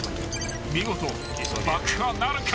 ［見事爆破なるか］